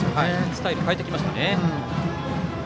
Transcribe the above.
スタイルを変えてきましたね。